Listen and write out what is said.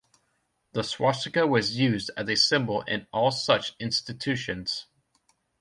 The swastika was used as a symbol in all such institutions.